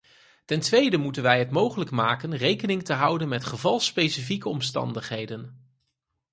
Ten tweede moeten wij het mogelijk maken rekening te houden met gevalspecifieke omstandigheden.